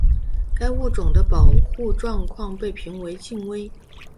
该物种的保护状况被评为近危。